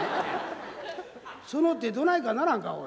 その手どないかならんか？